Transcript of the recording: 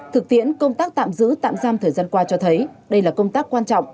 thực tiễn công tác tạm giữ tạm giam thời gian qua cho thấy đây là công tác quan trọng